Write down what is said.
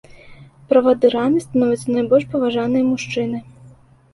Правадырамі становяцца найбольш паважаныя мужчыны.